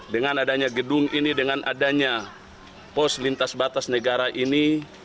dengan adanya gedung ini dengan adanya pos lintas batas negara ini